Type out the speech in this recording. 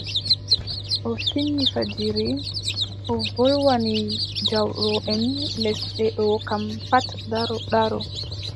O fini fajiri, o wolwani jawroʼen lesle ɗo kam pat ndaro ndaro.